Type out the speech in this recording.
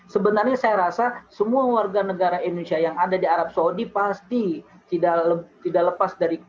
sebenarnya saya rasa semua warga negara indonesia yang ada di arab saudi pasti tidak lepas dari